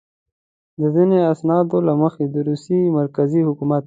د ځینو اسنادو له مخې د روسیې مرکزي حکومت.